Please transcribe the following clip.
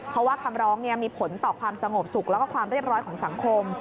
เพราะว่าคำร้องมีผลต่อความสงบสุขแล้วก็ความเรียบร้อยของสังคม